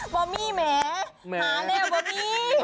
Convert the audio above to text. บอมมี่แม้หาแหละบอมมี่